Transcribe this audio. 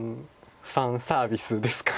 ファンサービスですか。